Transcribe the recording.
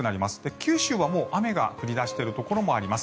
九州はもう雨が降り出しているところもあります。